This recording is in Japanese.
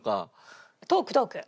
トークトーク。